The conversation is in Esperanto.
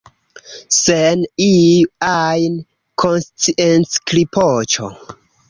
Sen iu ajn konsciencriproĉo...